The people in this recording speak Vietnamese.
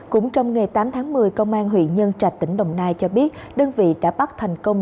cũng trong ngày tám tháng một mươi công an huyện nhân trạch tỉnh đồng nai cho biết đơn vị đã bắt thành công